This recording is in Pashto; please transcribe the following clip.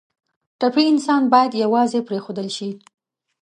ټپي انسان باید یوازې پرېنښودل شي.